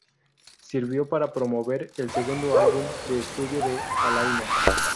Sirvió para promover el segundo álbum de estudio de Alaina.